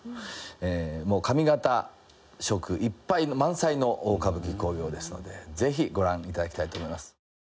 もう上方色満載の大歌舞伎興行ですのでぜひご覧頂きたいと思います。